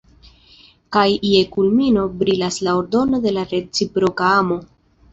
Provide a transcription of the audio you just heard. Kaj je kulmino brilas la ordono de la reciproka amo.